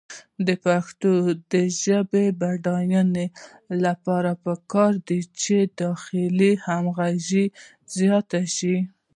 د پښتو ژبې د بډاینې لپاره پکار ده چې داخلي همغږي زیاته شي.